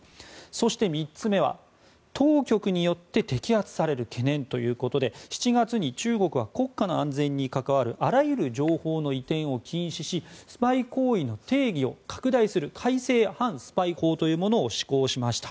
そして、３つ目は当局によって摘発される懸念ということで７月に中国は国家の安全に関わるあらゆる情報の移転を禁止しスパイ行為の定義を拡大する改正反スパイ法というものを施行しました。